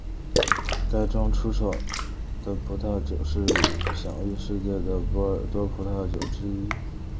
该庄出产的葡萄酒是享誉世界的波尔多葡萄酒之一。